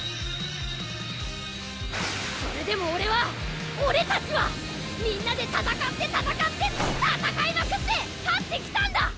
それでも俺は俺たちはみんなで戦って戦って戦いまくって勝ってきたんだ！